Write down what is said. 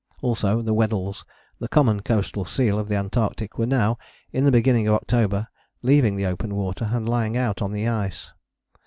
Also the Weddells, the common coastal seals of the Antarctic, were now, in the beginning of October, leaving the open water and lying out on the ice.